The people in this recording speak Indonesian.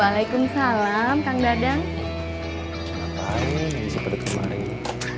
waalaikumsalam waalaikumsalam kang dadang